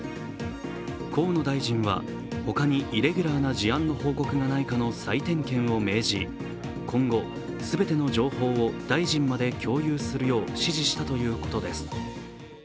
河野大臣はほかにイレギュラーな事案の報告がないかの再点検を命じ、今後、すべての情報を大臣まで共有するよう指示したということです。